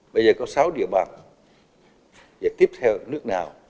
bây giờ có sáu địa bàn và tiếp theo nước nào